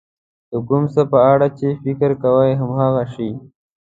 د کوم څه په اړه چې فکر کوئ هماغه شی.